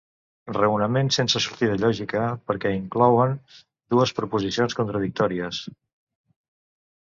Raonaments sense sortida lògica, perquè inclouen dues proposicions contradictòries.